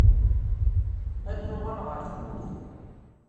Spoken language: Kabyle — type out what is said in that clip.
Ad nuɣal ɣer tmurt.